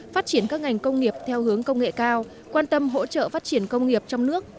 phát triển các ngành công nghiệp theo hướng công nghệ cao quan tâm hỗ trợ phát triển công nghiệp trong nước